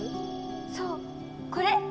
そうこれ。